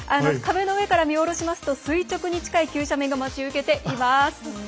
壁の上から見下ろしますと垂直に近い急斜面が待ち受けています。